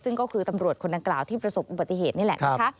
ซึ่งก็คือตำรวจคนดังกล่าวที่ประสบอุบัติเหตุนี่แหละนะคะ